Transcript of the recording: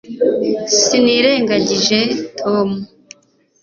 sinirengagije tom